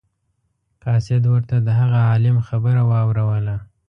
قاصد ورته د هغه عالم خبره واوروله.